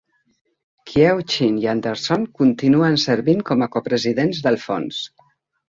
Kieu Chinh i Anderson continuen servint com a copresidents del fons.